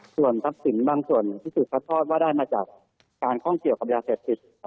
ส่วนทรัพย์สินบางส่วนที่ถูกซัดทอดว่าได้มาจากการข้องเกี่ยวกับยาเสพติด